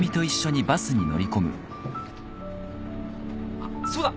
あっそうだ。